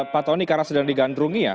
pak tony karena sedang digandrungi ya